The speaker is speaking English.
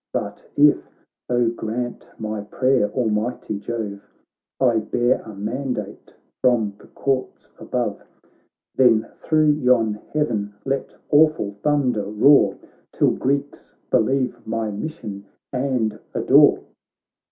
But if (oh, grant my prayer, almighty Jove) I bear a mandate from the Courts above, Then thro' yon heaven let awful thunder roar Till Greeks believe my mission, and adore